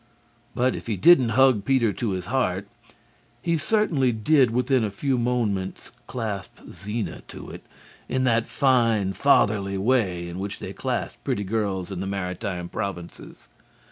But if he didn't hug Peter to his heart, he certainly did within a few moments clasp Zena to it, in that fine fatherly way in which they clasp pretty girls in the Maritime Provinces.